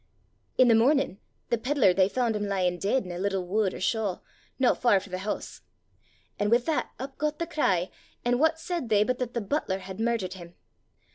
"'I' the mornin' the pedlar they faund him lyin' deid in a little wud or shaw, no far frae the hoose. An' wi' that up got the cry, an' what said they but that the butler had murdert him!